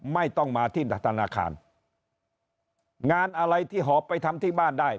ไม่ต้องมาที่ธนาคารงานอะไรที่หอบไปทำที่บ้านได้